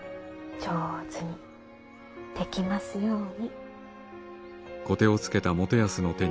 上手にできますように。